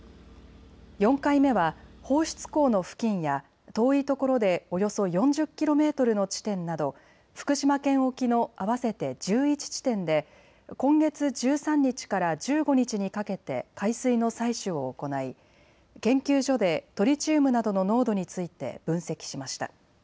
４回目は放出口の付近や遠いところでおよそ４０キロメートルの地点など福島県沖の合わせて１１地点で今月１３日から１５日にかけて海水の採取を行い研究所でトリチウムなどの濃度について分析しました。